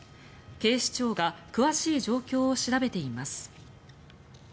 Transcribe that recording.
警視庁が詳しい状況を調べています。